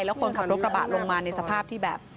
แล้วคนขับรถกระบะลงมาในสภาพที่แบบ